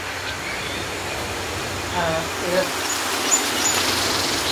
อาร์เอส